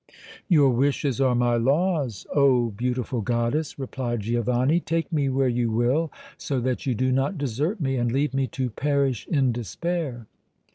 "Your wishes are my laws, oh! beautiful goddess!" replied Giovanni. "Take me where you will, so that you do not desert me and leave me to perish in despair!"